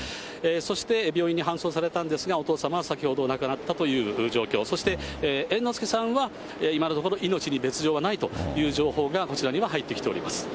そして、病院に搬送されたんですが、お父様は先ほど亡くなったという状況、そして猿之助さんは今のところ、命に別状はないという情報がこちらには入ってきております。